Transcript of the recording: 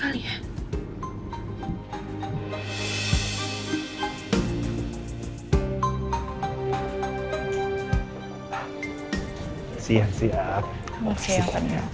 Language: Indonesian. saatnya pake kira kira pke ketemu kamu ke weirdest